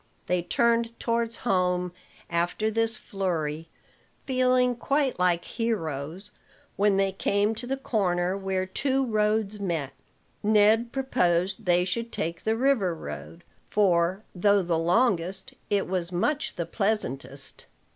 They turned towards home after this flurry, feeling quite like heroes. When they came to the corner where two roads met, Ned proposed they should take the river road; for, though the longest, it was much the pleasantest.